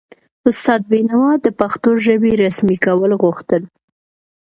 استاد بینوا د پښتو ژبې رسمي کول غوښتل.